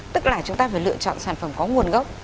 tức là chúng ta phải lựa chọn sản phẩm có nguồn gốc